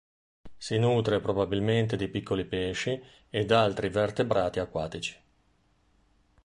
Si nutre probabilmente di piccoli pesci ed altri vertebrati acquatici.